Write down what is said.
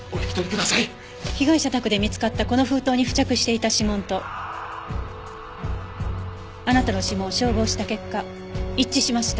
被害者宅で見つかったこの封筒に付着していた指紋とあなたの指紋を照合した結果一致しました。